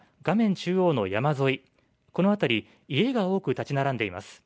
中央の山沿い、この辺り、家が多く建ち並んでいます。